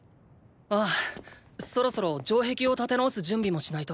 ああそろそろ城壁を建て直す準備もしないと。